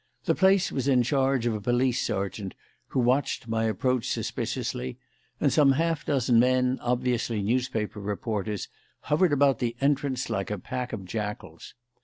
The place was in charge of a police sergeant, who watched my approach suspiciously; and some half dozen men, obviously newspaper reporters, hovered about the entrance like a pack of jackals.